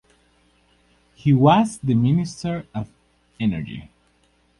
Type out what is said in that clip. He was the Minister of Energie.